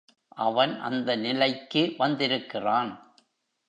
அவன் அந்த நிலைக்கு வந்திருக்கிறான்.